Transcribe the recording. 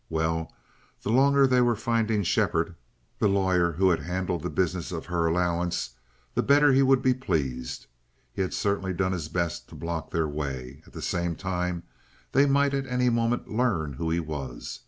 Well, the longer they were finding Shepherd, the lawyer who had handled the business of her allowance, the better he would be pleased. He had certainly done his best to block their way. At the same time, they might at any moment learn who he was.